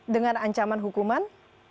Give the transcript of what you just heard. dengan ancaman hukuman